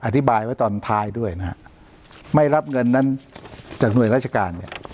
อธิบายไว้ตอนท้ายด้วยนะฮะไม่รับเงินนั้นจากหน่วยราชการเนี่ย